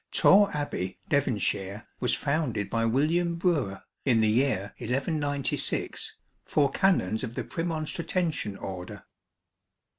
TOKKE Abbey, Devonshire, was founded by William Brewer, in the year 1196, for Canons of the Premon stratensian Order.